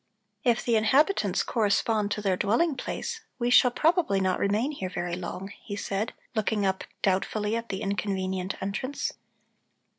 "If the inhabitants correspond to their dwelling place, we shall probably not remain here very long," he said, looking up doubtfully at the inconvenient entrance.